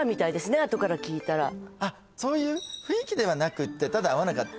あとから聞いたらあっそういう雰囲気ではなくってただ会わなかった